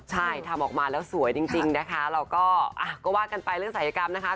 ใช่ทำออกมาแล้วสวยจริงนะคะเราก็ว่ากันไปเรื่องศัยกรรมนะคะ